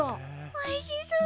おいしそう！